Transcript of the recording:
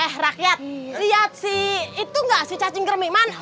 eh rakyat lihat si itu gak si cacing kermi mana